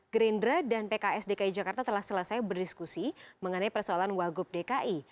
gerindra dan pks dki jakarta telah selesai berdiskusi mengenai persoalan wagub dki